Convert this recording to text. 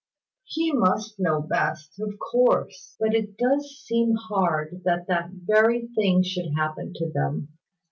"He must know best, of course: but it does seem hard that that very thing should happen to them.